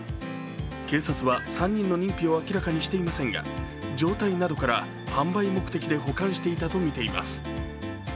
警察は３人の認否を明らかにしていませんが状態などから販売目的で保管していたとみています。